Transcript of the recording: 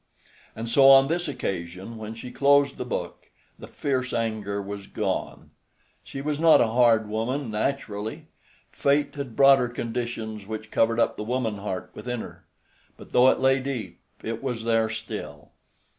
And so on this occasion when she closed the book the fierce anger was gone. She was not a hard woman naturally. Fate had brought her conditions which covered up the woman heart within her, but though it lay deep, it was there still.